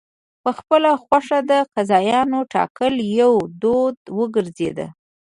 په خپله خوښه د قاضیانو ټاکل یو دود وګرځېد.